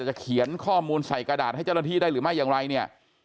เขียนข้อมูลใส่กระดาษให้เจ้าหน้าที่ได้หรือไม่อย่างไรเนี่ย